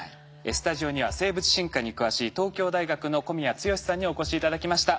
スタジオには生物進化に詳しい東京大学の小宮剛さんにお越し頂きました。